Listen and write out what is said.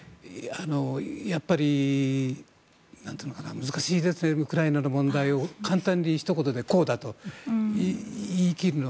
やっぱり、難しいですねウクライナの問題を簡単にひと言でこうだと言い切るのは。